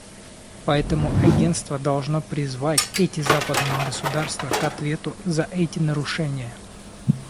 Поэтому Агентство должно призвать эти западные государства к ответу за эти нарушения.